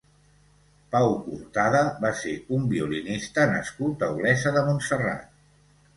Pau Cortada va ser un violinista nascut a Olesa de Montserrat.